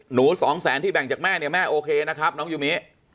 สองแสนที่แบ่งจากแม่เนี่ยแม่โอเคนะครับน้องยูมิ